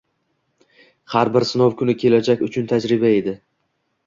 Har bir sinov kuni kelajak uchun tajriba edi